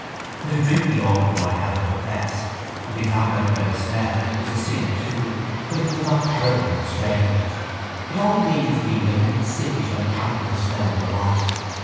But to drink the altar wine out of the press and be found out by the smell was a sin too: but it was not terrible and strange. It only made you feel a little sickish on account of the smell of the wine.